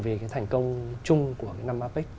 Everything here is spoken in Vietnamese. về cái thành công chung của năm apec